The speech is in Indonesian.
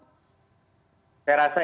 saya rasa ini menjadikan